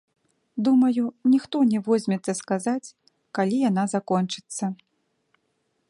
Думаю, ніхто не возьмецца сказаць, калі яна закончыцца.